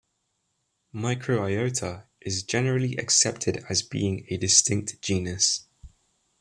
"Microiota" is generally accepted as being a distinct genus.